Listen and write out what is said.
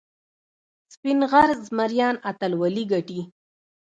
سپین غر زمریان اتلولي ګټي.